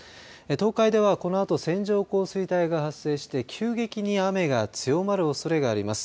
東海ではこのあと線状降水帯が発生して急激に雨が強まるおそれがあります。